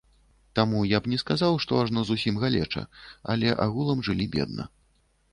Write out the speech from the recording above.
Таму я б не сказаў, што ажно зусім галеча, але агулам жылі бедна.